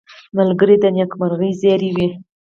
ملګری د نېکمرغۍ زېری وي